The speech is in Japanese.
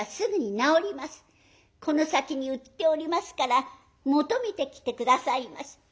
この先に売っておりますから求めてきて下さいまし。